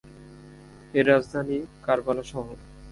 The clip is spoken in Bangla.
এর রাজধানী কারবালা শহর।